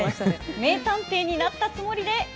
名探偵になったつもりで。